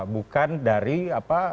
bukan dari apa